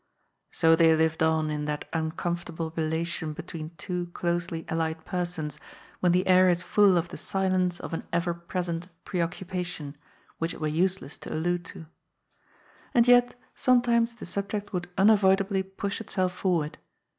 So they lived on in that uncomfortable relation between two closely allied persons when the air is full of the silence of an everpresent preoccupation, which it were useless to allude to. And yet sometimes the subject would unavoid ably push itself forward.